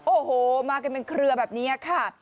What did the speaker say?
โอ้โหมากันเป็นเครือแบบนี้ค่ะ